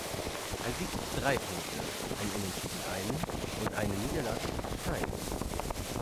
Ein Sieg gibt drei Punkte, ein Unentschieden einen und eine Niederlage keinen.